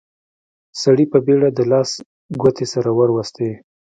سړي په بيړه د لاس ګوتې سره وروستې.